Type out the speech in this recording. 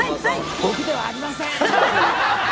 僕ではありません！